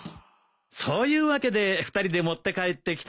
そういうわけで２人で持って帰ってきたんだよ。